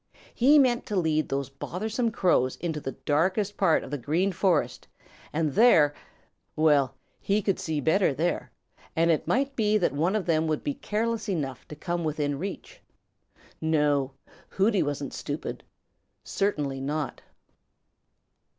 He meant to lead those bothersome Crows into the darkest part of the Green Forest and there well, he could see better there, and it might be that one of them would be careless enough to come within reach. No, Hooty wasn't stupid. Certainly not.